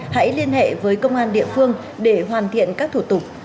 hãy liên hệ với công an địa phương để hoàn thiện các thủ tục